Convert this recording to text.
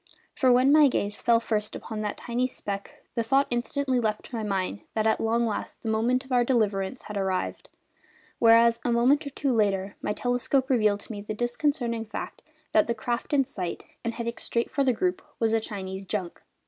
For when my gaze first fell upon that tiny speck the thought instantly leapt to my mind that at long last the moment of our deliverance had arrived; whereas a moment or two later my telescope revealed to me the disconcerting fact that the craft in sight, and heading straight for the group, was a Chinese junk!